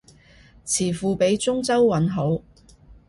詞庫畀中州韻好